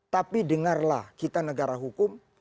tapi dengarlah kita negara hukum